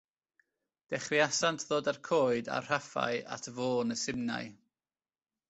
Dechreuasant ddod a'r coed a'r rhaffau at fôn y simnai.